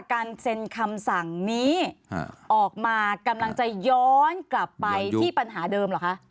การเซ็นคำสั่งนี้ออกมากำลังจะย้อนกลับไปที่ปัญหาเดิมเหรอคะ